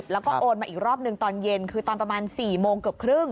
แล้วก็โอนมาอีกรอบหนึ่งตอนเย็นคือตอนประมาณ๔โมงเกือบครึ่ง